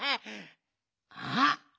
あっ！